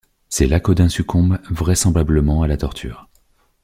C'est là qu'Audin succombe, vraisemblablement à la torture.